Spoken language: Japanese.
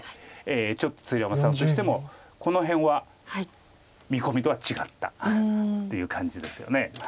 ちょっと鶴山さんとしてもこの辺は見込みとは違ったっていう感じですよね。